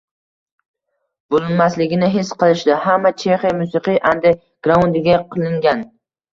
bo‘linmasligini his qilishdi: hamma Chexiya musiqiy ande-graundiga qilingan